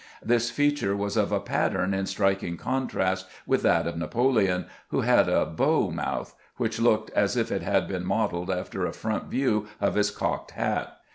This feature was of a pattern in striking contrast with that of Napoleon, who had a bow mouth, which looked as if it had been modeled after a front view of his cocked hat.